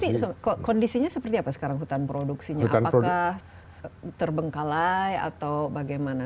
tapi kondisinya seperti apa sekarang hutan produksinya apakah terbengkalai atau bagaimana